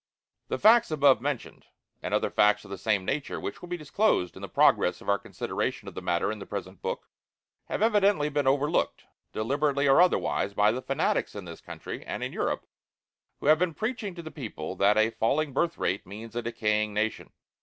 The facts above mentioned, and other facts of the same nature which will be disclosed in the progress of our consideration of the matter in the present book, have evidently been overlooked, deliberately or otherwise, by the fanatics in this country and in Europe who have been preaching to the people that a falling birth rate means a decaying nation.